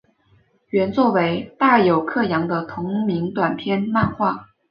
原作为大友克洋的同名短篇漫画。